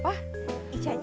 icahnya ada mo